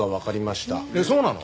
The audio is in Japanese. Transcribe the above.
えっそうなの？